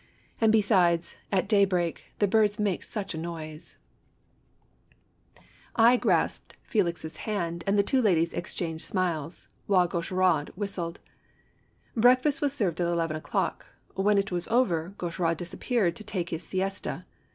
And, besides, at daybreak, the birds made sucli a noise !" I grasped Felix's hand and the two ladies exchanged smiles, while Gaucheraud whistled. Breakfast was served at eleven o'clock. When it was over, Gaucheraud disappeared to take his siesta.